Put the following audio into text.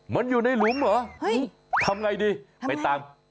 มันอยู่ในหลุมเหรอเห้ยทำไงดีทำไง